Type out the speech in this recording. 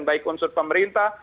baik unsur pemerintah